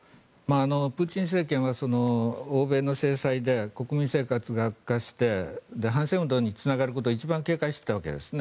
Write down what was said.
プーチン政権は欧米の制裁で国民生活が悪化して反戦運動につながることを一番警戒していたわけですね。